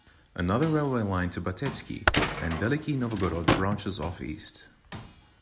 Another railway line to Batetsky and Veliky Novgorod branches off east.